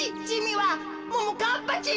はももかっぱちん？